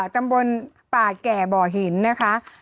ตำบลป่าแก่บ่อหินนะคะ